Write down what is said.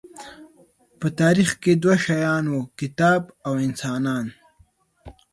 په تاریخ کې دوه شیان وو، کتاب او انسانان.